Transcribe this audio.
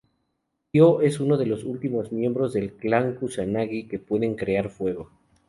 Kyo es uno de los últimos miembros del Clan Kusanagi que pueden crear fuego.